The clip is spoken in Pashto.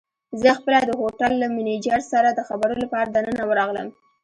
زه خپله د هوټل له مېنېجر سره د خبرو لپاره دننه ورغلم.